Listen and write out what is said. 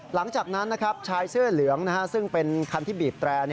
หลังจากนั้นชายเสื้อเหลืองซึ่งเป็นคันที่บีบแตร่